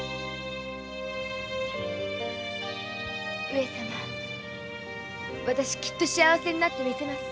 上様わたしきっと幸せになってみせます。